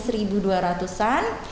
seribu dua ratusan